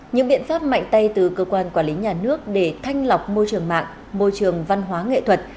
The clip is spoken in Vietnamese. những biện pháp mạnh tay từ cơ quan quản lý nhà nước để thanh lọc môi trường mạng môi trường văn hóa nghệ thuật